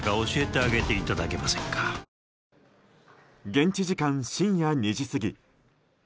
現地時間、深夜２時過ぎ。